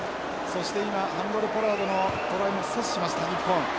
そして今ハンドレポラードのトライも阻止しました日本。